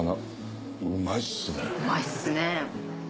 うまいっすね。